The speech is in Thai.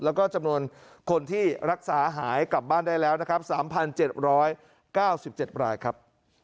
แล้วก็จำนวนคนที่รักษาหายกลับบ้านได้แล้วนะครับ๓๗๙๗รายครับ